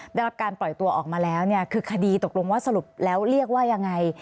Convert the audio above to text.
ได้รับการปล่อยตัวออกมาแล้วเนี่ยคือคดีตกลงว่าสรุปแล้วเรียกว่ายังไง